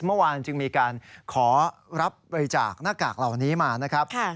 เมื่อวานจึงมีการขอรับบริจาคหน้ากากเหล่านี้มานะครับ